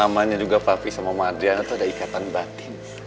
namanya juga papi sama mama adriana itu ada ikatan batin